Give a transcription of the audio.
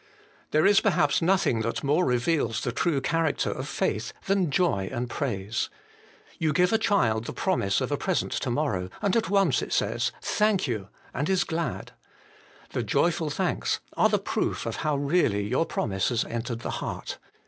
There is perhaps nothing that more reveals the true character of faith than joy and praise. You give a child the promise of a present to morrow : at once it says, Thank you, and is glad. The joyful thanks are the proof of how really your promise has entered the heart.